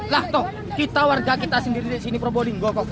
lah toh kita warga kita sendiri disini probolinggo kok